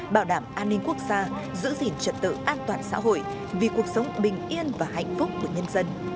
bảo đảm an ninh quốc gia giữ gìn trận tự an toàn xã hội vì cuộc sống bình yên và hạnh phúc của nhân dân